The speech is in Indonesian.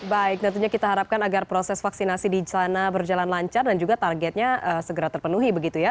baik tentunya kita harapkan agar proses vaksinasi di sana berjalan lancar dan juga targetnya segera terpenuhi begitu ya